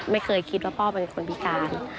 ไม่เคยคิดว่าพ่อเป็นคนพิการ